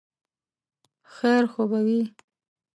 خیر خو به وي ؟